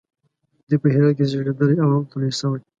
دی په هرات کې زیږېدلی او همالته لوی شوی.